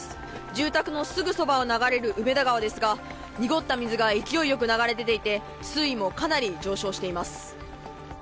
住宅のすぐそばを流れる梅田川ですが濁った水が勢いよく流れ出ていて、水位もかなり上昇しています。